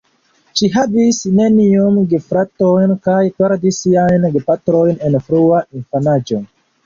Ŝi havis neniujn gefratojn kaj perdis siajn gepatrojn en frua infanaĝo.